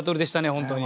本当に。